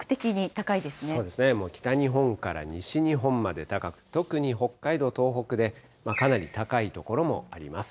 そうですね、もう北日本から西日本まで高く、特に北海道、東北でかなり高い所もあります。